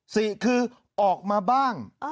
สี่คือออกมาบ้าง